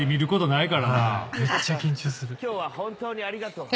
今日は本当にありがとう。